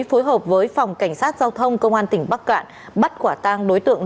phối hợp với phòng cảnh sát giao thông công an tỉnh bắc cạn bắt quả tang đối tượng